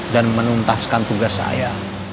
dan menuntaskan tugas saya